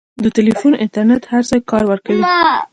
د ټیلیفون انټرنېټ هر ځای کار ورکوي.